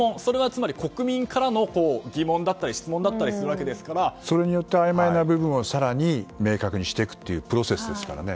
つまりそれは国民からの疑問だったりそれによってあいまいな部分を明確にしていくというプロセスですからね。